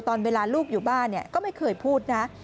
ตอนเวลาลูกอยู่บ้านก็ไม่เคยพูดนะ